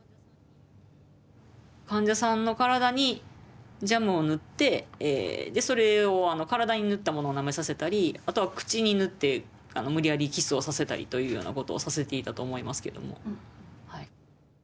患者さんの体にジャムを塗ってそれを体に塗ったものをなめさせたりあとは口に塗って無理やりキスをさせたりというようなことをさせていたと思いますけども。